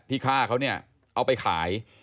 ฆ่าเขาเนี่ยเอาไปขาย